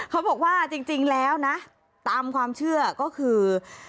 เขาบอกว่าจริงแล้วนะตามความเชื่อก็คือ